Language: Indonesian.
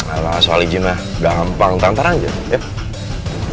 alah soal izin lah gak gampang ntar ntar aja ya